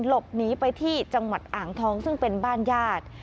หลบหนีไปที่จังหวัดอ่างทองซึ่งเป็นบ้านญาติ